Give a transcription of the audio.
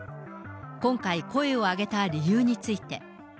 今回、声を上げた理由について。